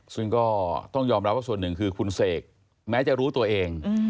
ซึ่งก็ต้องยอมรับว่าส่วนหนึ่งคือคุณเสกแม้จะรู้ตัวเอง